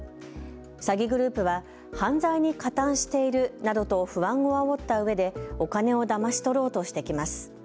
詐欺グループは犯罪に加担しているなどと不安をあおったうえでお金をだまし取ろうとしてきます。